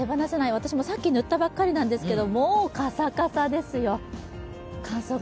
私もさっき塗ったばかりなんですけど、もうカサカサですよ。